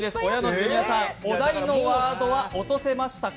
ジュニアさん、お題のワードは落とせましたか？